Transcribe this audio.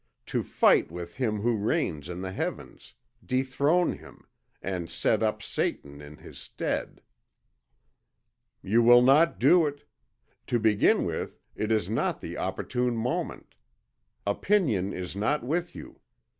To fight with Him who reigns in the heavens, dethrone Him, and set up Satan in His stead." "You will not do it. To begin with it is not the opportune moment. Opinion is not with you.